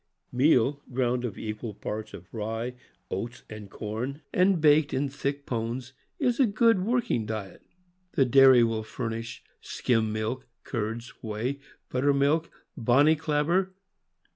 Meal, ground of equal parts of rye, oats, and corn, and baked in thick pones, is a good working diet. The dairy will furnish skim milk, curds, whey, buttermilk, bonny clabber.